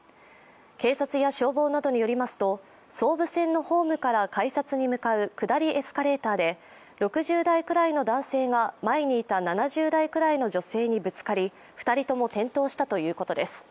警察や消防などによりますと、総武線のホームから改札に向かう下りエスカレーターで６０代くらいの男性が前にいた７０代くらいの女性にぶつかり、２人とも転倒したということです。